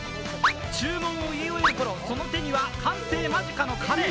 注文をいい終えるころ、その手には完成間近のカレー。